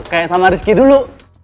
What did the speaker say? kayak sama rizky dulu